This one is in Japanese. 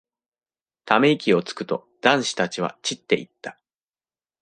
ため息をつくと、男子たちは散っていった。